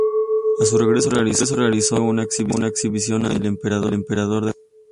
A su regreso, realiza en Tokio una exhibición ante el Emperador de Japón.